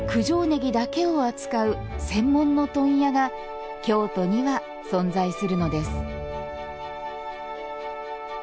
ねぎだけを扱う専門の問屋が京都には存在するのです。